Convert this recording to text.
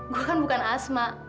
gue kan bukan asma